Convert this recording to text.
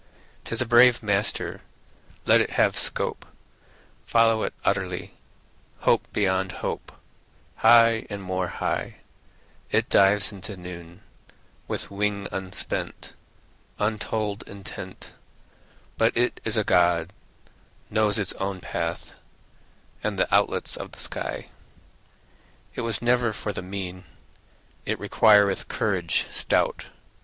'Tis a brave master; Let it have scope: Follow it utterly, Hope beyond hope: High and more high It dives into noon, With wing unspent, Untold intent; But it is a God, Knows its own path And the outlets of the sky. It was never for the mean; It requireth courage stout.